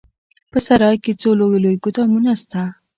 په سراى کښې څو لوى لوى ګودامونه سته.